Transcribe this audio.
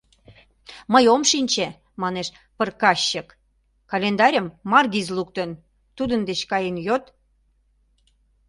— Мый ом шинче, — манеш пыркащик, — календарьым Маргиз луктын, тудын деч каен йод.